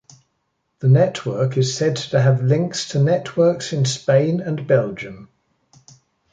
The network is said to have links to networks in Spain and Belgium.